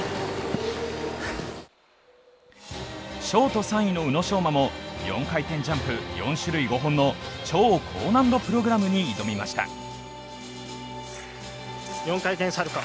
ショート３位の宇野昌磨も４回転ジャンプ、４種類５本の超高難度プログラムに挑みました。